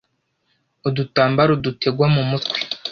Udutambaro dutegwa mumutwe